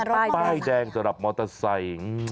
ป้ายแดงสำหรับมอเตอร์ไซค์